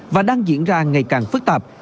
và đang diễn ra ngày càng phức tạp